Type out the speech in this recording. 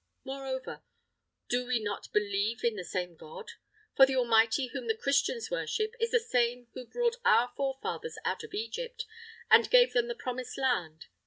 Moreover, do we not believe in the same God? For the Almighty whom the Christians worship, is the same who brought our forefathers out of Egypt, and gave them the promised land.